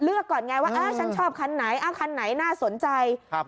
เลือกก่อนไงว่าเออฉันชอบคันไหนอ้าวคันไหนน่าสนใจครับ